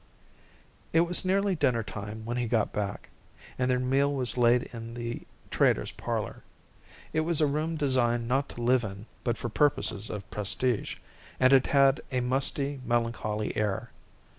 It was nearly dinner time when he got back, and their meal was laid in the trader's parlour. It was a room designed not to live in but for purposes of prestige, and it had a musty, melancholy air.